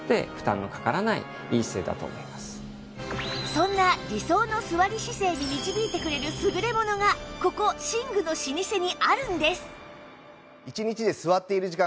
そんな理想の座り姿勢に導いてくれる優れ物がここ寝具の老舗にあるんです